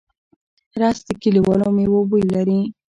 رس د کلیوالو مېوو بوی لري